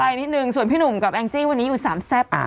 ไปนิดนึงส่วนพี่หนุ่มกับแองจี้วันนี้อยู่๓แซปนะคะ